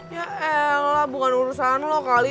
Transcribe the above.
ya elah bukan urusan lu kali